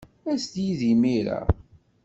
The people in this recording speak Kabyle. Aset-d yid-i imir-a.